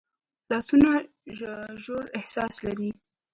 لاسونه ژور احساس لري